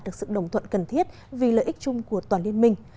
cần thiết vì lợi ích chung của toàn liên minh